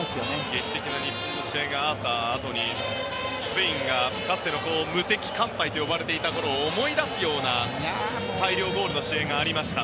劇的な日本の試合があったあとにスペインがかつての無敵艦隊と呼ばれていたころを思い出すような大量ゴールの試合がありました。